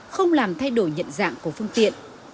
không làm thay đổi nhận dạng của phương tiện